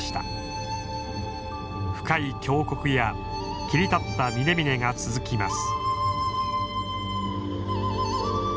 深い峡谷や切り立った峰々が続きます。